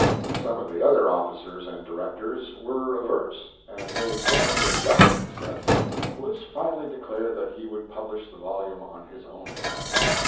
But some of the other officers and directors were averse, and made so many objections that Bliss finally declared that he would publish the vol ume on his own account.